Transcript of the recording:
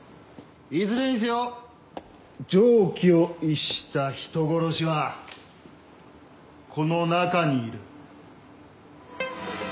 いずれにせよ常軌を逸した人殺しはこの中にいる。